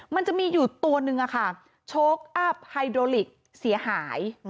มันจะมีอยู่ตัวนึงโชคอัพไฮโดลิกเสียหาย